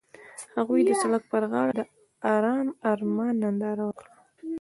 هغوی د سړک پر غاړه د آرام آرمان ننداره وکړه.